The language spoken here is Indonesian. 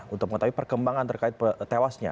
untuk mengetahui perkembangan terkait tewasnya